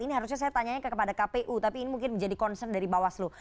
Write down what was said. ini harusnya saya tanyanya kepada kpu tapi ini mungkin menjadi concern dari bawaslu